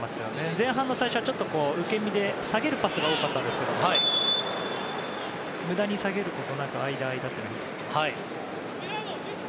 前半の最初はちょっと受け身で下げるパスが多かったんですけど無駄に下げることなく間、間というのはいいですね。